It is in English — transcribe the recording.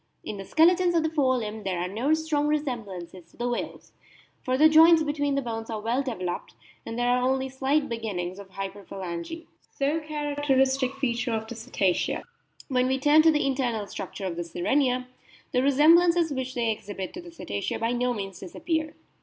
In the skeleton of the fore limb there are no strong resemblances to the whales, for the joints between the bones are well developed, and there are only slight beginnings of hyperphalangy, so characteristic a feature of the Cetacea. When we turn to the internal structure of the 94 A BOOK OP WHALES Sirenia, the resemblances which they exhibit to the Cetacea by no means disappear.